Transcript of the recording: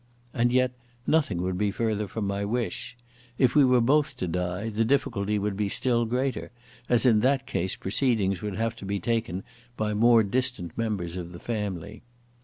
And yet nothing would be further from my wish. If we were both to die, the difficulty would be still greater, as in that case proceedings would have to be taken by more distant members of the family.